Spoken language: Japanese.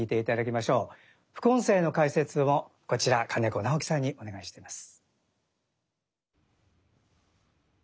副音声の解説もこちら金子直樹さんにお願いしています。